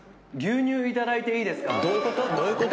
牛乳頂いていいですか？